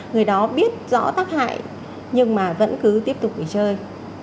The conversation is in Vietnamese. người đó biết rõ tác hại nhưng mà vẫn cứ tiếp tục bị chơi